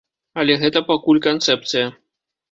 Але гэта пакуль канцэпцыя.